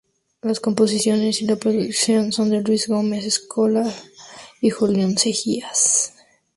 Las composiciones y la producción son de Luis Gómez Escolar y Julio Seijas.